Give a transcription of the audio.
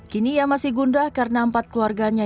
kini ia masih gundah karena takdirnya